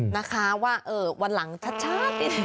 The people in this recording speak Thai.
นะคะว่าวันหลังชัด